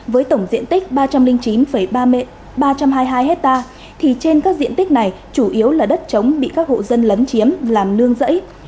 với tổng diện tích ba trăm linh chín ba trăm hai mươi hai hectare thì trên các diện tích này chủ yếu là đất trống bị các hộ dân lấn chiếm làm nương rẫy